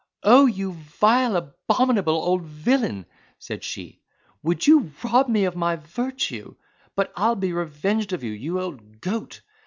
"Oh! You vile abominable old villain," said she, "would you rob me of my virtue? But I'll be revenged of you, you old goat!